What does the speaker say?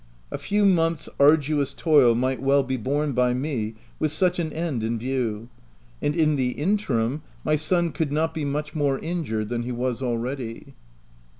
A few months arduous toil might well be borne by me, with such an end in view ; and in the OF WILDPELL HALL. 33 interim, my son could not be much more injured than he was already.